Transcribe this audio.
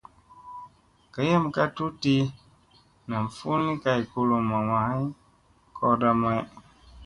Gayam ka tuɗti nam fulli kay kulumma may koorda may.